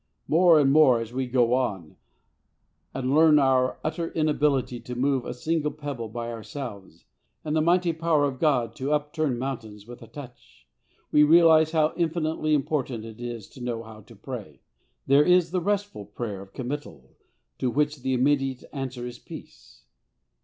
More and more as we go on, and learn our utter inability to move a single pebble by ourselves, and the mighty power of God to upturn mountains with a touch, we realise how infinitely important it is to know how to pray. There is the restful prayer of committal to which the immediate answer is peace.